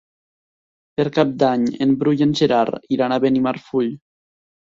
Per Cap d'Any en Bru i en Gerard iran a Benimarfull.